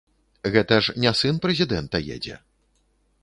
Гэта ж не сын прэзідэнта едзе.